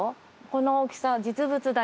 この大きさ実物大です。